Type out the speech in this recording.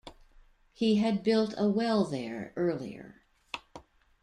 He had built a well there, earlier.